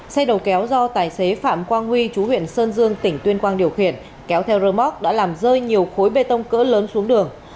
xe đầu kéo do tài xế phạm quang huy chú huyện sơn dương tỉnh tuyên quang điều khiển kéo theo rơ móc đã làm rơi nhiều khối bê tông cỡ lớn xuống đường